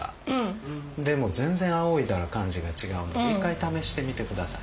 でも全然あおいだら感じが違うんで一回試してみて下さい。